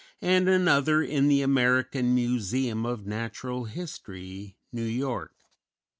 and another in the American Museum of Natural History, New York.